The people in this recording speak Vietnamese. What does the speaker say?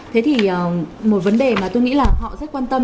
thế thì một vấn đề mà tôi nghĩ là họ rất quan tâm